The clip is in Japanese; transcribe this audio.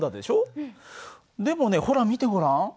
でもねほら見てごらん。